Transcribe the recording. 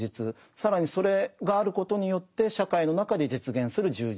更にそれがあることによって社会の中で実現する充実